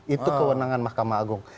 itu kewenangan mahkamah agung